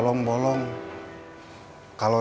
gak ada yang bisa dihukum